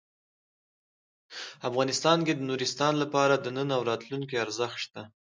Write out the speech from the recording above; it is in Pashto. افغانستان کې د نورستان لپاره د نن او راتلونکي ارزښت شته.